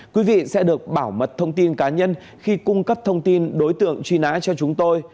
quý vị sẽ được bảo mật thông tin cá nhân khi cung cấp thông tin đối tượng truy nã cho chúng tôi